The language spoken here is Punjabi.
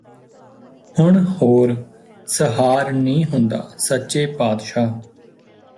ਹੁਣ ਹੋਰ ਸਹਾਰ ਨੀ ਹੁੰਦਾ ਸੱਚੇ ਪਾਤਸ਼ਾਹ